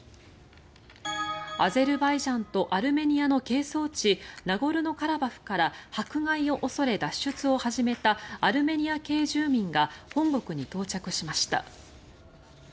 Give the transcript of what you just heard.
アゼルバイジャンとアルメニアの係争地ナゴルノカラバフから迫害を恐れ、脱出を始めたアルメニア系住民が本国に到着しました。